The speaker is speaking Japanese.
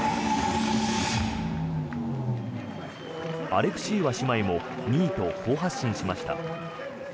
アレクシーワ姉妹も２位と好発進しました。